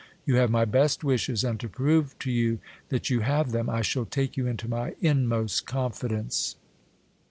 You have my best wishes ; and to prove to you that you have them, I shall take you into my inmost confidence.